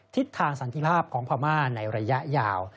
ทิศทางสันติภาพของพม่าในระยะยาว